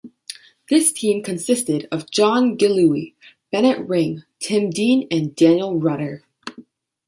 This team consisted of John Gillooly, Bennett Ring, Tim Dean and Daniel Rutter.